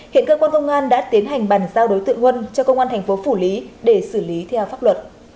hiện cơ quan công an đã tiến hành bàn giao đối tượng huân cho công an thành phố phủ lý để xử lý theo pháp luật